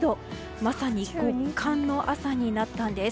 まさに極寒の朝になったんです。